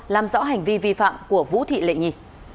làm rõ hành vi vi phạm của vũ thị lệ nhi